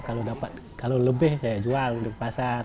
kalau tidak dapat saya jual di pasar